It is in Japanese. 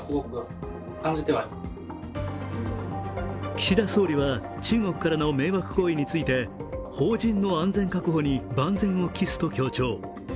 岸田総理は中国からの迷惑行為について邦人の安全確保に万全を期すと強調。